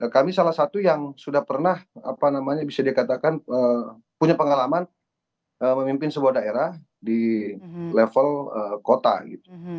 kami salah satu yang sudah pernah apa namanya bisa dikatakan punya pengalaman memimpin sebuah daerah di level kota gitu